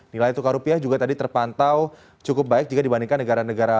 nilai tukar rupiah juga tadi terpantau cukup baik jika dibandingkan negara negara